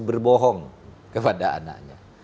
berbohong kepada anaknya